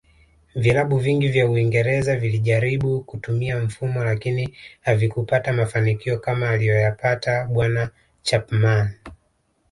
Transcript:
Vilabu vingi vya uingereza vilijaribu kutumia mfumo lakini havikupata mafanikio kama aliyoyapata bwana Chapman